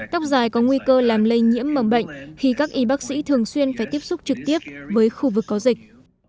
tóc dài có nguy cơ làm lây nhiễm mầm bệnh khi các y bác sĩ thường xuyên phải tiếp xúc trực tiếp với khu vực có dịch